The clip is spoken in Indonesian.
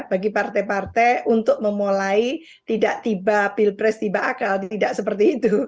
bagi partai partai untuk memulai tidak tiba pilpres tiba akal tidak seperti itu